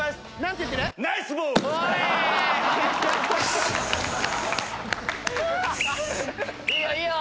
いいよいいよ！